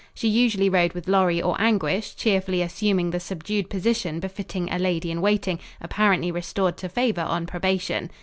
She usually rode with Lorry or Anguish, cheerfully assuming the subdued position befitting a lady in waiting apparently restored to favor on probation.